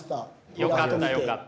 よかったよかった。